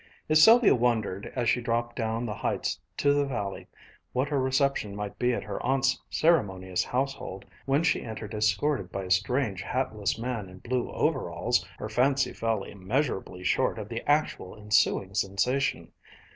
If Sylvia wondered, as she dropped down the heights to the valley, what her reception might be at her aunt's ceremonious household when she entered escorted by a strange hatless man in blue overalls, her fancy fell immeasurably short of the actual ensuing sensation.